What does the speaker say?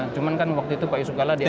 cuma kan waktu itu pak yusuf kala diatap